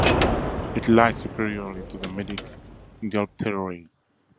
It lies superiorly to the medial pterygoid.